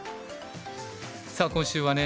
さあ今週はね